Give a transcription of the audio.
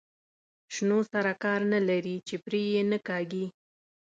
شنو سره کار نه لري چې پرې یې نه کاږي.